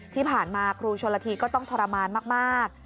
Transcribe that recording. ที่ผ่านมาครูชนละทีก็ต้องทรมานมาก